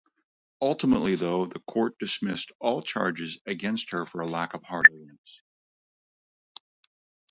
Ultimately though, the court dismissed all charges against her for lack of hard evidence.